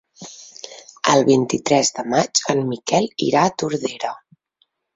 El vint-i-tres de maig en Miquel irà a Tordera.